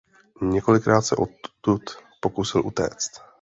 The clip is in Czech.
Několikrát se odtud pokusil utéct.